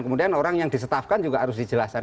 kemudian orang yang disetafkan juga harus dijelaskan